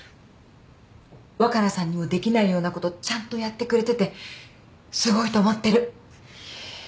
若菜さんにもできないようなことちゃんとやってくれててすごいと思ってる。